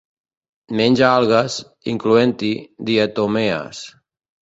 Menja algues, incloent-hi diatomees.